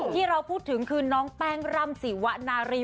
ที่เราพูดถึงคือน้องแป้งร่ำสีวนารี